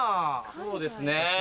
そうですね。